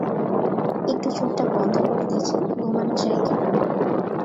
একটু চোখটা বন্ধ করে দেখি ঘুমানো যায় কিনা।